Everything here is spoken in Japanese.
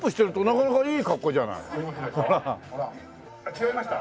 「違いました？